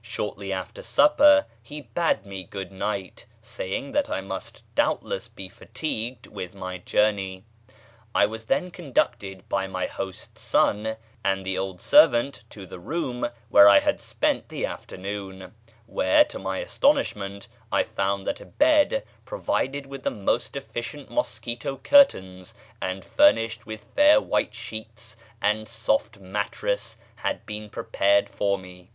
Shortly after supper he bade me good night, saying that I must doubtless be fatigued with my journey. I was then conducted by my host's son and the old servant to the room where I had spent the afternoon, where, to my astonishment, I found that a bed provided with the most efficient mosquito curtains and furnished with fair white sheets and soft mattress had been prepared for me.